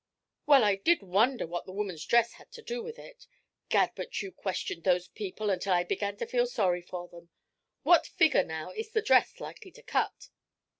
'Well, I did wonder what the woman's dress had to do with it. 'Gad, but you questioned those people until I began to feel sorry for them. What figure, now, is the dress likely to cut?'